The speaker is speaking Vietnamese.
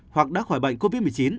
hoặc đã khỏi bệnh covid một mươi chín